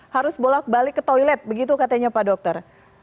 harus bolak balik ke toilet begitu katanya pak dokter